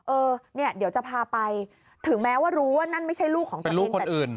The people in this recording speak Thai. เออเนี่ยเดี๋ยวจะพาไปถึงแม้ว่ารู้ว่านั่นไม่ใช่ลูกของแต่ลูกคนอื่น